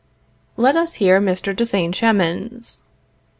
Let us hear Mr. de Saint Chamans.